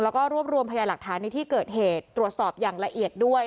แล้วก็รวบรวมพยาหลักฐานในที่เกิดเหตุตรวจสอบอย่างละเอียดด้วย